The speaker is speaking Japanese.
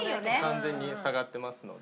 完全に塞がってますので。